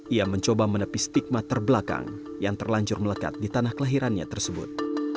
ia mencoba menepi stigma terbelakang yang terlanjur melekat di tanah kelahirannya tersebut